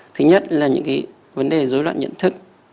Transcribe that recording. thứ nhất là những cái vấn đề dối loạn nhận thức